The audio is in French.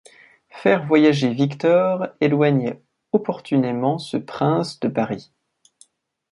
Faire voyager Victor éloignait opportunément ce prince de Paris.